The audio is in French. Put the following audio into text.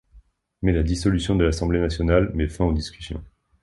Mais la dissolution de l’Assemblée nationale met fin aux discussions.